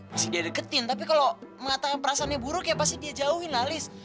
pasti dideketin tapi kalo mengatakan perasaannya buruk ya pasti dia jauhin ah liz